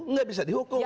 nggak bisa dihukum